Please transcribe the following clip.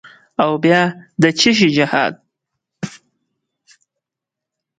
او بیا د چیشي جهاد؟